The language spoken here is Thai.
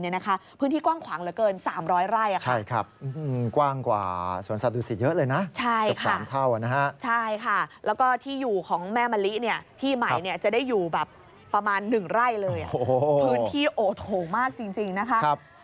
ได้อยู่ประมาณ๑ไร่เลยคือพื้นที่โอโธมากจริงนะครับ